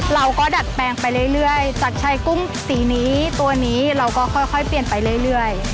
ดัดแปลงไปเรื่อยจากชายกุ้งสีนี้ตัวนี้เราก็ค่อยเปลี่ยนไปเรื่อย